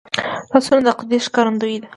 لاسونه د عقیدې ښکارندوی دي